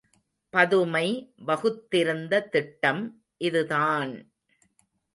பதுமை வகுத்திருந்த திட்டம் இதுதான்!